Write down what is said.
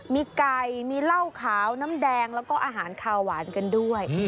มีไก่มีเหล้าขาวน้ำแดงแล้วก็อาหารขาวหวานกันด้วย